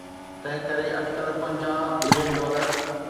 تنهنڪري اٽڪل پنجاهه بلين ڊالر.